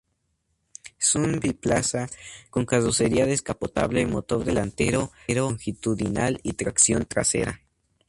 Es un biplaza con carrocería descapotable, motor delantero longitudinal y tracción trasera.